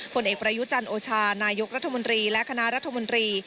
ผลเอกประยุจันโอชานายกรัฐมนตรีและคณะรัฐมนตรี